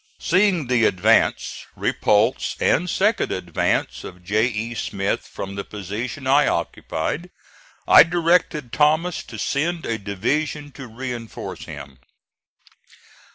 Seeing the advance, repulse, and second advance of J. E. Smith from the position I occupied, I directed Thomas to send a division to reinforce him.